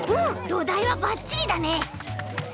どだいはバッチリだね！